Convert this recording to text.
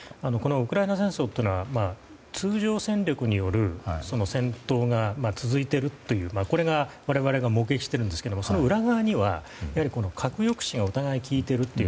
ウクライナ戦争は通常戦力による戦闘が続いているというこれが我々が目撃しているんですけどその裏側には、核抑止がお互いに効いているという。